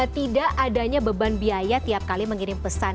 tidak adanya beban biaya tiap kali mengirim pesan